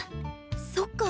そっか